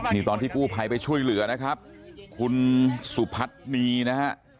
นี่ตอนที่กู้ภัยไปช่วยเหลือนะครับคุณสุพัฒนีนะฮะ